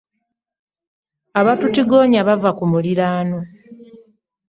Abatutigomya bava ku muliraano.